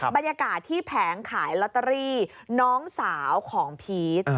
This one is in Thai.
บรรยากาศที่แผงขายลอตเตอรี่น้องสาวของพีช